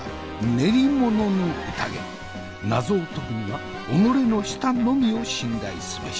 謎を解くには己の舌のみを信頼すべし。